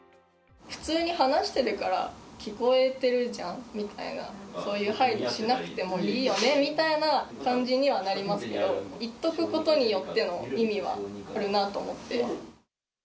普通に話してるから聞こえてるじゃんみたいな、そういう配慮しなくてもいいよねみたいな感じにはなりますけど、言っとくことによっての意味はあるなと思って。